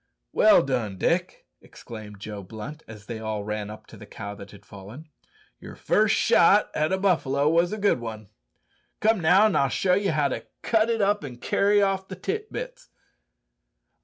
"Well done, Dick," exclaimed Joe Blunt, as they all ran up to the cow that had fallen. "Your first shot at the buffalo was a good un. Come, now, an' I'll show ye how to cut it up an' carry off the tit bits."